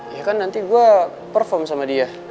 ya kan nanti gue perform sama dia